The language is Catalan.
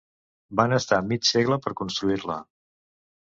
Van estar mig segle per construir-la.